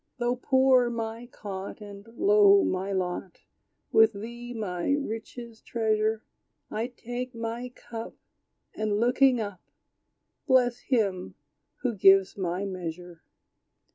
Though poor my cot, And low my lot, With thee, my richest treasure, I take my cup, And looking up, Bless Him who gives my measure.